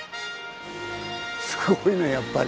すごいねやっぱり。